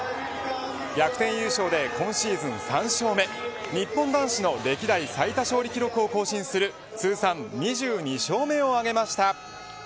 逆転優勝で今シーズン３勝目日本男子の歴代最多勝利記録を更新する通算２２勝目を挙げました。